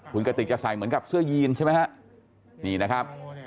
คุณกติกจะใส่เหมือนกับเสื้อยีนใช่ไหมฮะนี่นะครับ